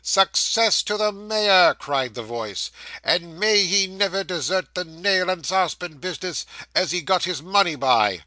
'Suc cess to the mayor!' cried the voice, 'and may he never desert the nail and sarspan business, as he got his money by.